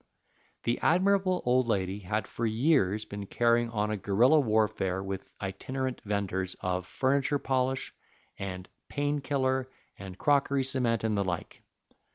The admirable old lady had for years been carrying on a guerrilla warfare with itinerant venders of furniture polish, and pain killer, and crockery cement, and the like.